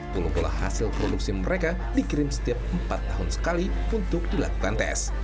pula pola hasil produksi mereka dikirim setiap empat tahun sekali untuk dilakukan tes